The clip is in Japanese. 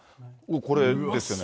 これですよね。